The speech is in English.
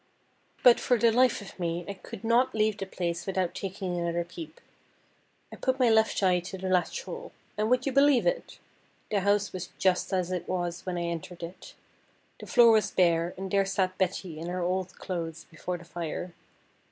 But for the life of me, I could not leave the place without taking another peep. I put my left eye to the latch hole and would you believe it? the house was just as it was when I entered it; the floor was bare, and there sat Betty in her old clothes before the fire.